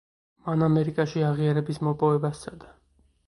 მან ამერიკაში აღიარების მოპოვებაც სცადა.